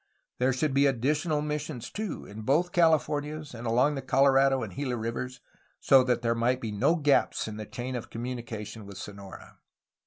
There should be additional missions, too, in both Californias and along the Colorado and Gila rivers, so that there might be no gaps in the chain of communication with Sonora.